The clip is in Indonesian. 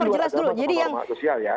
jadi dulu ada perhubungan sosial ya